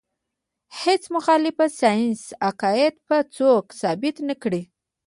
هیڅ مخالفه ساینسي قاعده به څوک ثابته نه کړي.